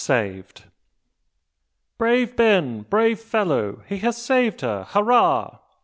SAVED! "Brave Ben! brave fellow! he has saved her! Hurrah!"